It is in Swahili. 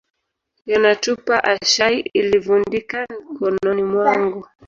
Yana tupa a shai ilivundika nkononi mwangu